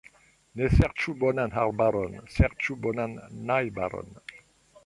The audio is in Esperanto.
Ne serĉu bonan arbaron, serĉu bonan najbaron.